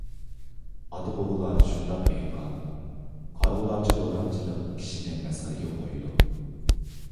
ئاتا - بوۋىلار شۇنداق ئېيتقان: قارىغۇلارچە دورامچىلىق كىشىنى مەسخىرىگە قويىدۇ.